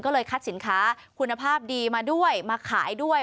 ก็เลยคัดสินค้าคุณภาพดีมาด้วยมาขายด้วย